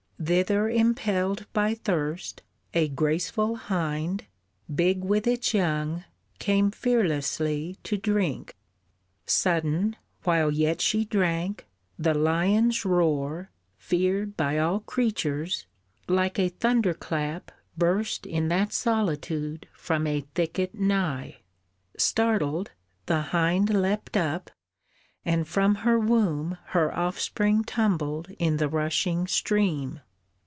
Thither impelled by thirst a graceful hind, Big with its young, came fearlessly to drink. Sudden, while yet she drank, the lion's roar, Feared by all creatures, like a thunder clap Burst in that solitude from a thicket nigh. Startled, the hind leapt up, and from her womb Her offspring tumbled in the rushing stream.